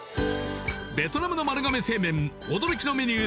ベトナムの丸亀製麺驚きのメニュー